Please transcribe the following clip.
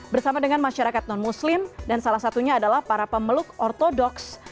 bersama dengan masyarakat non muslim dan salah satunya adalah para pemeluk ortodoks